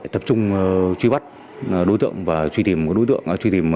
để tập trung truy bắt đối tượng và truy tìm đối tượng